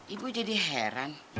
ibu jadi heran